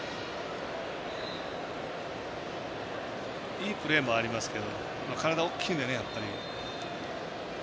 いいプレーもありますけど体大きいのでね。